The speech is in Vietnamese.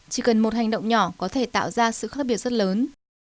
chỉ cần một hành động nhỏ có thể tạo ra sự khác biệt rất lớn